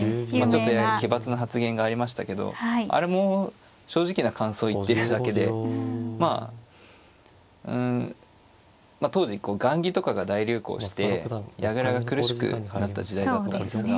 ちょっと奇抜な発言がありましたけどあれも正直な感想を言ってるだけでまあうん当時雁木とかが大流行して矢倉が苦しくなった時代だったんですが。